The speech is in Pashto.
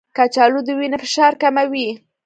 کچالو د وینې فشار کموي.